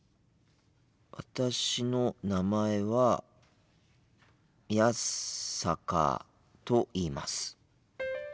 私の名前は宮坂と言います。